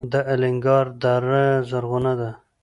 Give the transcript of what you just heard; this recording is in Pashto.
د الینګار دره زرغونه ده